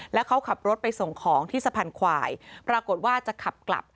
แล้วเขาขับรถไปส่งของที่สะพานควายปรากฏว่าจะขับกลับ